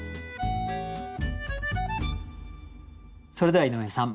それでは井上さん